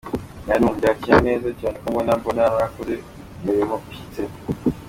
Mwarimu: Mbyakira neza, cyane ko mba mbona narakoze umurimo ushyitse.